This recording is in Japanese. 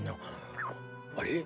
あれ？